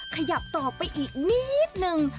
ขยับต่อไปอีกนิดนึง